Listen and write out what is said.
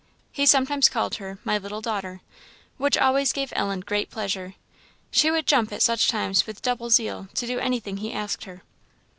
He sometimes called her "My little daughter," which always gave Ellen great pleasure; she would jump at such times with double zeal, to do anything he asked her.